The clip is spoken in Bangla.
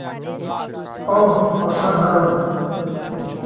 অহ, অসাধারণ।